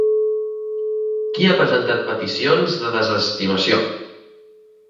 Qui ha presentat peticions de desestimació?